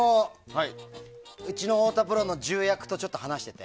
うちの太田プロの重役とちょっと話してて。